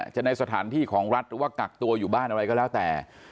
ในสถานที่ของรัฐหรือว่ากักตัวอยู่บ้านอะไรก็แล้วแต่